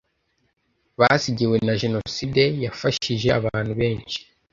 basigiwe na Jenoside Yafashije abantu benshi